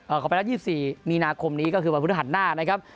ขอไปละ๒๔มีนาคมนี้ก็คือวันพฤหัสหน้านะครับ